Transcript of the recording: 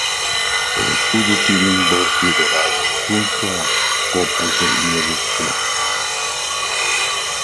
El escudo tiene un borde dorado junto a copos de nieve en blanco.